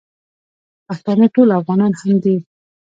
پښتانه ټول افغانان هم دي.